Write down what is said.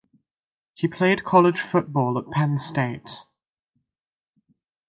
He played college football at Penn State.